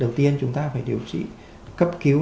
đầu tiên chúng ta phải điều trị cấp cứu